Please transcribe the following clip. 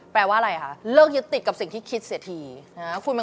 แปลว่าไรคะเลิกยึดติดกับรธินักภายในที่ที่คิดเสียที